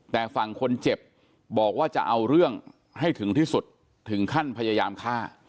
แต่ฝั่งคนเจ็บบอกว่าจะเอาเรื่องให้ถึงที่สุดถึงขั้นพยายามฆ่า